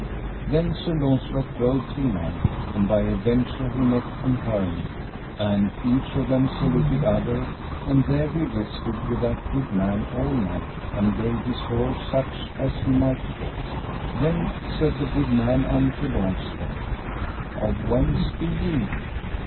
Then Sir Launcelot rode till night, and by adventure he met an hermit, and each of them saluted other; and there he rested with that good man all night, and gave his horse such as he might get. Then said the good man unto Launcelot: Of whence be ye?